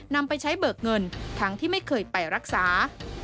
นำไปใช้เบิกเงินทั้งที่ไม่เคยไปรักษา